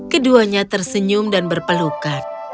keduanya tersenyum dan berpelukan